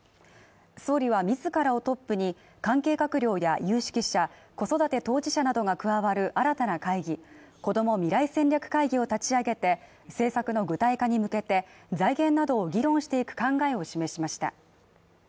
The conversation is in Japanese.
総理は自らをトップに関係閣僚や有識者、子育て当事者などが加わる新たな会議、こども未来戦略会議を立ち上げて政策の具体化に向けて、財源などを議論していく考えを示しました。